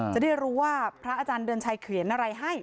จะได้รู้ว่าพระอาจารย์เดือนชัยเขียนอะไรให้